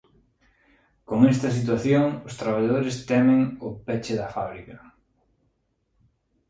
Con esta situación, os traballadores temen o peche da fábrica.